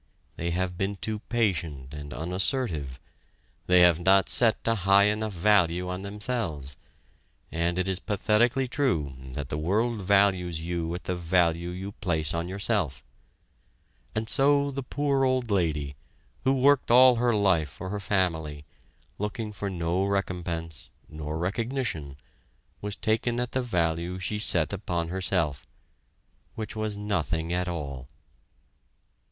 They have been too patient and unassertive they have not set a high enough value on themselves, and it is pathetically true that the world values you at the value you place on yourself. And so the poor old lady, who worked all her life for her family, looking for no recompense, nor recognition, was taken at the value she set upon herself, which was nothing at all.